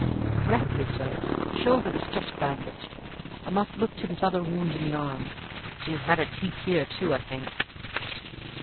"Directly, sir; the shoulder is just bandaged. I must look to this other wound in the arm: she has had her teeth here too, I think."